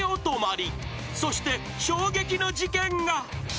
［そして衝撃の事件が！］